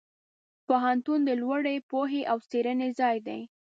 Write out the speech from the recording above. پوهنتون د لوړې پوهې او څېړنې ځای دی.